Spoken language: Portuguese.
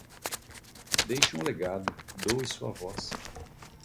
Deixe um legado, doe sua voz